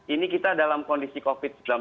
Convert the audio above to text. ini kita dalam kondisi covid sembilan belas